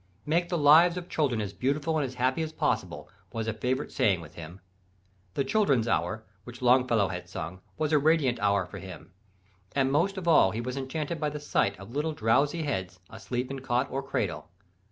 "Make the lives of children as beautiful and as happy as possible," was a favourite saying with him. The "Children's Hour," which Longfellow had sung, was a radiant hour for him: and most of all he was enchanted by the sight of little drowsy heads, asleep in cot or cradle.